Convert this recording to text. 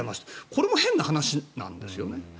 これも変な話なんです。